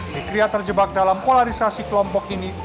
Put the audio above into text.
fitria terjebak dalam polarisasi kelompok ini